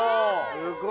すごい。